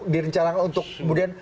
direncalang untuk kemudian